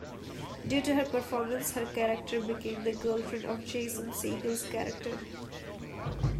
Due to her performance, her character became the girlfriend of Jason Segel's character.